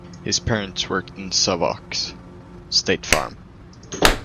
His parents worked in Sovkhoz (state farm).